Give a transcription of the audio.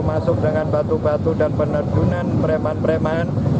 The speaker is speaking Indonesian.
masuk dengan batu batu dan penerjunan preman preman